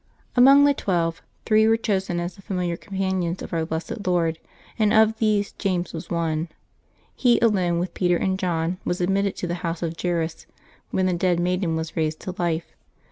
gMONG the twelve, three were chosen as the familiar companions of our blessed Lord, and of these James was one. He alone, with Peter and John, was admitted to the house of Jairus when the dead maiden was raised to life.